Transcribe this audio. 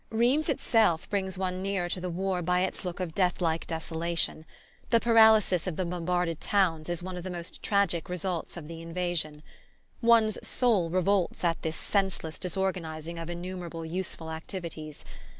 Rheims itself brings one nearer to the war by its look of deathlike desolation. The paralysis of the bombarded towns is one of the most tragic results of the invasion. One's soul revolts at this senseless disorganizing of innumerable useful activities.